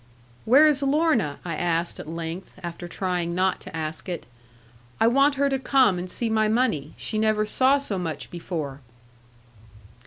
'Where is Lorna?' I asked at length, after trying not to ask it; 'I want her to come, and see my money. She never saw so much before.'